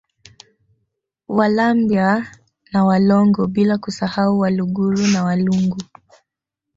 Walambya na Walongo bila kusahau Waluguru na Walungu